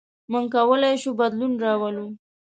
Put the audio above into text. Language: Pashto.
موږ کولی شو بدلون راولو.